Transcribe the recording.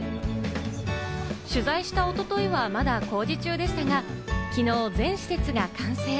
取材したおとといはまだ工事中でしたが、きのう全施設が完成。